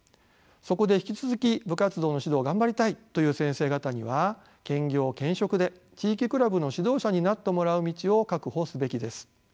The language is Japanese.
そこで引き続き部活動の指導を頑張りたいという先生方には兼業兼職で地域クラブの指導者になってもらう道を確保すべきです。